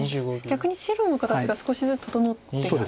逆に白の形が少しずつ整ってきますか。